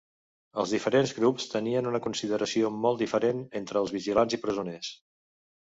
Els diferents grups tenien una consideració molt diferent entre els vigilants i presoners.